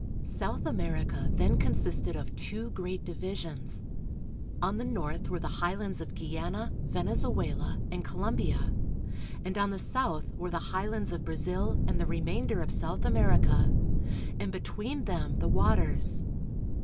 South America then consisted of two great divisions. On the north were the highlands of Guiana, Venezuela, and Co lombia, and on the south were the highlands of Brazil and the remainder of South America, and between them the waters.